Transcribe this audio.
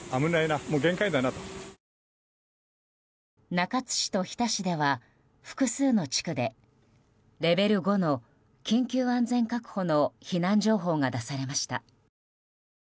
中津市と日田市では複数の地区でレベル５の緊急安全確保の避難情報が出されました。